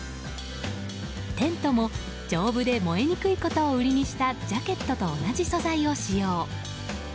テントも、丈夫で燃えにくいことを売りにしたジャケットと同じ素材を使用。